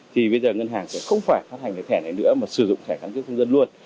thì bây giờ ngân hàng sẽ không phải phát hành cái thẻ này nữa mà sử dụng thẻ căn cước công dân luôn